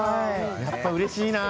やっぱうれしいな。